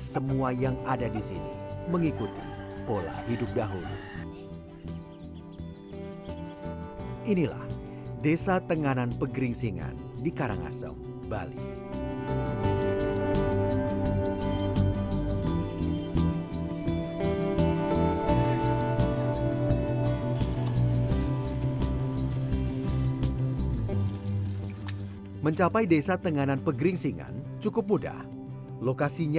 sampai jumpa di video selanjutnya